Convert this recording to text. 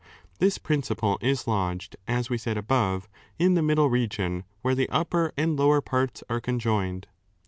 This principle 3 is lodged, as we said above, in the middle region, where the upper and lower parts are conjoined.